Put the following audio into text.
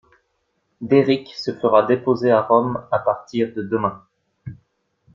Derrick se fera déposer à Rome à partir de demain.